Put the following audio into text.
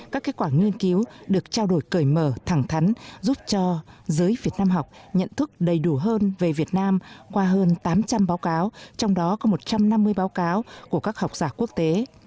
các kết quả nghiên cứu được trao đổi cởi mở thẳng thắn giúp cho giới việt nam học nhận thức đầy đủ hơn về việt nam qua hơn tám trăm linh báo cáo trong đó có một trăm năm mươi báo cáo của các học giả quốc tế